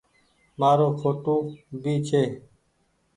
مآرو ڦوڦآ بي ڇي۔